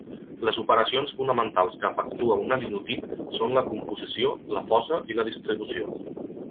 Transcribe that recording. Les operacions fonamentals que efectua una linotip són la composició, la fosa, i la distribució.